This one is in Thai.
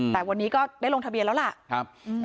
แต่วันนี้ก็ได้ลงทะเบียนแล้วล่ะ